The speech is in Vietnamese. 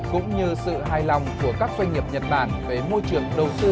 cũng như sự hài lòng của các doanh nghiệp nhật bản với môi trường đầu sư kinh doanh tại việt nam